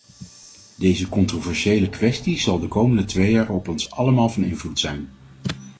Deze controversiële kwestie zal de komende twee jaar op ons allemaal van invloed zijn.